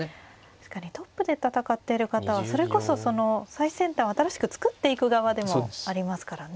確かにトップで戦ってる方はそれこそその最先端を新しく作っていく側でもありますからね。